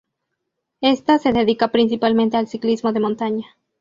Esta se dedica principalmente al ciclismo de montaña.